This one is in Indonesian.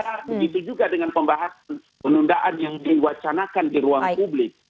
nah begitu juga dengan pembahasan penundaan yang diwacanakan di ruang publik